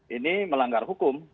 ini melanggar hukum